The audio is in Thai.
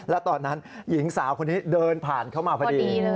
แล้วตอนนั้นหญิงสาวคนนี้เดินผ่านเข้ามาพอดี